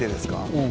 「うん。